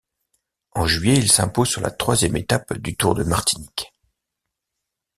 En juillet, il s'impose sur la troisième étape du Tour de Martinique.